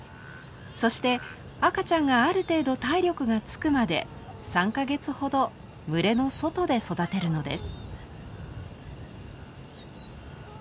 そして赤ちゃんがある程度体力がつくまで３か月ほど群れの外で育てるのです。